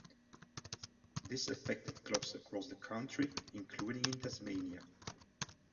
This affected clubs across the country including in Tasmania.